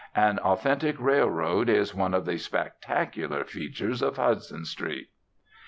An authentic railroad is one of the spectacular features of Hudson Street.